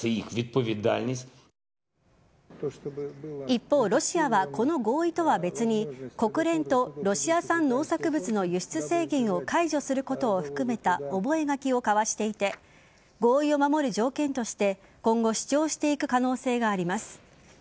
一方、ロシアはこの合意とは別に国連とロシア産農作物の輸出宣言を解除することを含めた覚書を交わしていて合意を守る条件として今後、主張していく可能性があります。